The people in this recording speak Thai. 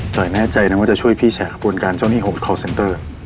แต่แน่ใจนะว่าจะช่วยพี่แฉกระบวนการเจ้าหนี้โหดคอลเซนเตอร์